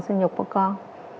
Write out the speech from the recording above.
sinh nhục của con